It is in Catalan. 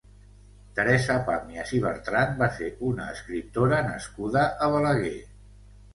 Teresa Pàmies i Bertran va ser una escriptora nascuda a Balaguer.